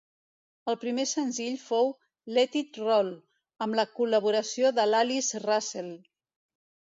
El primer senzill fou "Let It Roll", amb la col·laboració de l'Alice Russell.